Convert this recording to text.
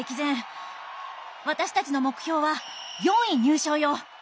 私たちの目標は４位入賞よ。